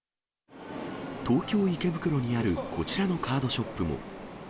東京・池袋にあるこちらのカードショップも。